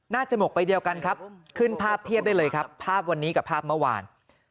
หมกไปเดียวกันครับขึ้นภาพเทียบได้เลยครับภาพวันนี้กับภาพเมื่อวาน